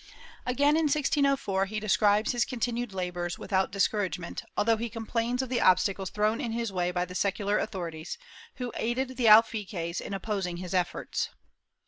Again, in 1604, he describes his continued labors without discouragement, although he complains of the obstacles thrown in his way by the secular authorities, who aided the alfaquies in opposing his efforts.